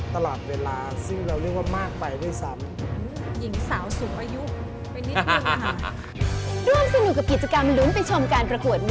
ตลอดเวลาสิ่งที่พอมานี่ก่อนนะครับ